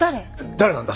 誰なんだ？